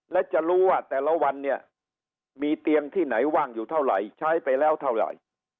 และจะรู้ว่าแต่ละวันเนี่ยมีเตียงที่ไหนว่างอยู่เท่าไหร่ใช้ไปแล้วเท่าไหร่